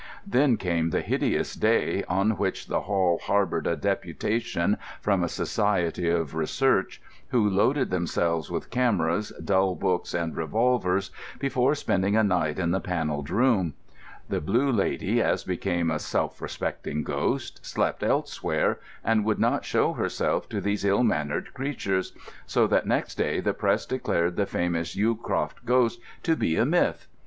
Then came the hideous day on which the Hall harboured a deputation from a Society of Research, who loaded themselves with cameras, dull books, and revolvers, before spending a night in the Panelled Room. The Blue Lady, as became a self respecting ghost, slept elsewhere, and would not show herself to these ill mannered creatures; so that next day the Press declared the famous Yewcroft ghost to be a myth.